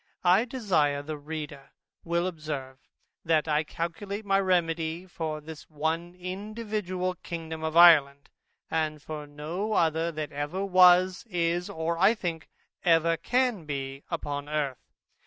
I desire the reader will observe, that I calculate my remedy for this one individual Kingdom of Ireland, and for no other that ever was, is, or, I think, ever can be upon Earth.